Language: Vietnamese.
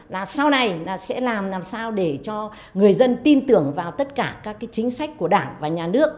là sau này là sẽ làm làm sao để cho người dân tin tưởng vào tất cả các chính sách của đảng và nhà nước